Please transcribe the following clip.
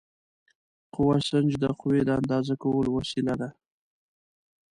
قوه سنج د قوې د اندازه کولو وسیله ده.